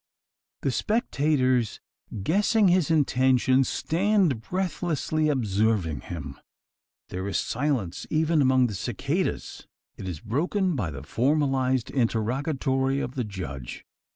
The spectators, guessing his intention, stand breathlessly observing him. There is silence even among the cicadas. It is broken by the formalised interrogatory of the judge?